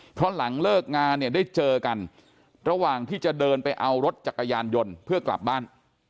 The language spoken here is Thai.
เพราะหลังเลิกงานเนี่ยได้เจอกันระหว่างที่จะเดินไปเอารถจักรยานยนต์เพื่อกลับบ้าน